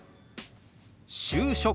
「就職」。